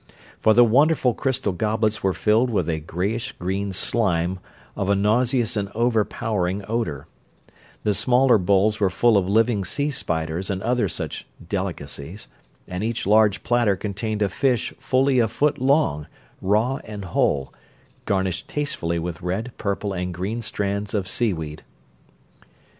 For the wonderful crystal goblets were filled with a grayish green slime of a nauseous and overpowering odor, the smaller bowls were full of living sea spiders and other such delicacies; and each large platter contained a fish fully a foot long, raw and whole, garnished tastefully with red, purple, and green strands of seaweed!